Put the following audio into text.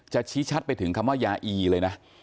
ชี้ชัดไปถึงคำว่ายาอีเลยนะ